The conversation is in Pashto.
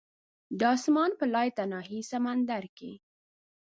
د اسمان په لایتناهي سمندر کې